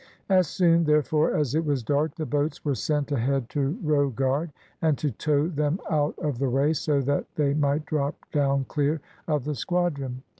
As soon, therefore, as it was dark, the boats were sent ahead to row guard, and to tow them out of the way, so that they might drop down clear of the squadron.